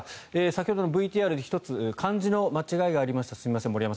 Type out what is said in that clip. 先ほどのＶＴＲで１つ漢字の間違いがありました。